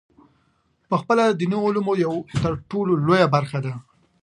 پخپله د دیني علومو یوه ترټولو لویه برخه ده.